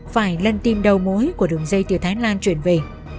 phải lân tim đầu mối của đường dây từ thái lan chuyển về